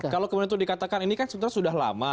kalau kemudian itu dikatakan ini kan sebenarnya sudah lama